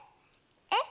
えっ？